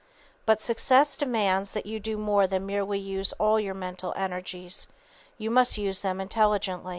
But success demands that you do more than merely use all your mental energies. You must use them intelligently.